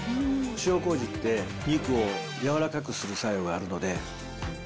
塩こうじって、肉をやわらかくする作用があるので。